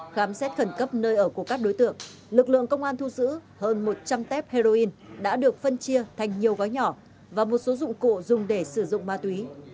khám xét khẩn cấp nơi ở của các đối tượng lực lượng công an thu giữ hơn một trăm linh tép heroin đã được phân chia thành nhiều gói nhỏ và một số dụng cụ dùng để sử dụng ma túy